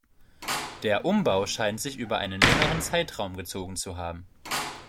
Der Umbau scheint sich über einen längeren Zeitraum gezogen zu haben.